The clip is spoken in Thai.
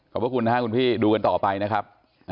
ขอบคุณนะครับคุณพี่ดูกันต่อไปนะครับ